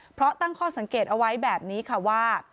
เพราะตั้งข้อสังเกตเอาไว้แบบนี้ค่ะว่า